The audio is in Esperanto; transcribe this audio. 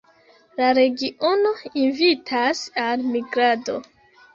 La regiono invitas al migrado.